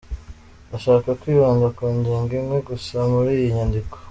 Ndashaka kwibanda ku ngingo imwe gusa muri iyi nyandiko.